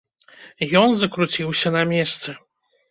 Ён закруціўся на месцы.